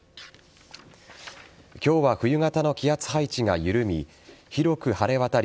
今日は冬型の気圧配置が緩み広く晴れ渡り